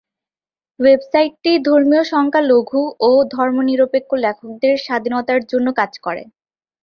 Website টি ধর্মীয় সংখ্যালঘু এবং ধর্মনিরপেক্ষ লেখকদের স্বাধীনতার জন্য কাজ করে।